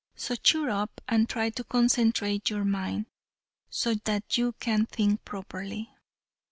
So cheer up, and try to concentrate your mind, so that you can think properly."